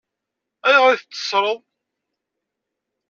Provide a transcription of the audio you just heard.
Ayɣer i t-teṣṣṛeḍ?